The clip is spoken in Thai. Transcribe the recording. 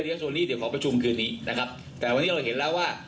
เดี๋ยวนี้เดี๋ยวขอประชุมคืนนี้นะครับแต่วันนี้เราเห็นแล้วว่า